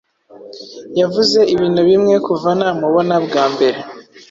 Yavuze ibintu bimwe kuva namubona bwa mbere.